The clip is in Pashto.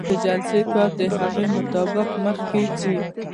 د جلسې کار د هغې مطابق مخکې ځي.